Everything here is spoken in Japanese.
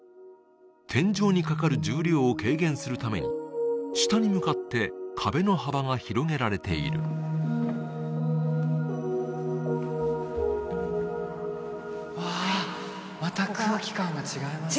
天井にかかる重量を軽減するために下に向かって壁の幅が広げられているわあまた空気感が違いますね